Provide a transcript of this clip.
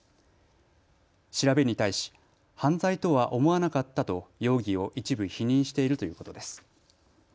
調べに対し犯罪とは思わなかったと容疑を一部否認しているということです。